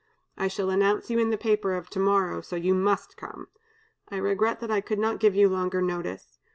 I shall announce you in the paper of to morrow, so you must come. I regret that I could not give you longer notice.